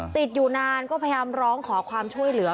ติดอยู่นานก็พยายามร้องขอความช่วยเหลือ